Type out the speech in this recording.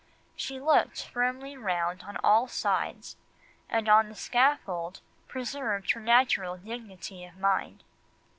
She looked firmly round her on all sides, and on the scaffold preserved her natural dignity of mind."